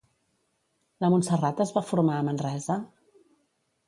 La Montserrat es va formar a Manresa?